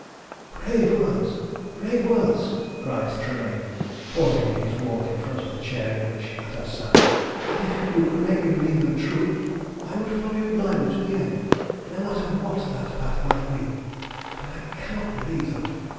"Brave words, brave words!" cried Tremayne, pausing in his walk in front of the chair in which Natas sat; "and if you could make me believe them true, I would follow you blindly to the end, no matter what the path might be. But I cannot believe them.